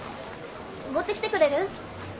持ってきてくれる？